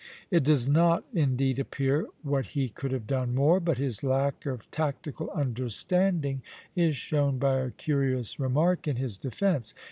It does not indeed appear what he could have done more; but his lack of tactical understanding is shown by a curious remark in his defence.